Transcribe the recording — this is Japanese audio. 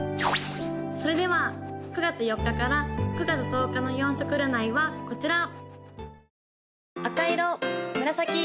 ・それでは９月４日から９月１０日の４色占いはこちら！